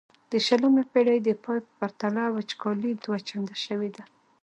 د شلمې پیړۍ د پای په پرتله وچکالي دوه چنده شوې ده.